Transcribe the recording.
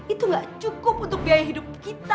itu gak cukup untuk biaya hidup kita